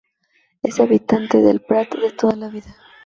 Es habitante de el Prat de toda la vida.